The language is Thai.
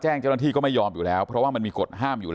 เจ้าหน้าที่ก็ไม่ยอมอยู่แล้วเพราะว่ามันมีกฎห้ามอยู่